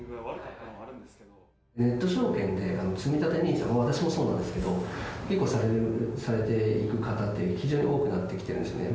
ネット証券で、つみたてＮＩＳＡ、私もそうなんですけど、結構されていく方って非常に多くなってきてるんですね。